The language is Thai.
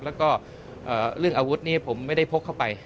แล้วก็เรื่องอาวุธนี้ผมไม่ได้พกเข้าไป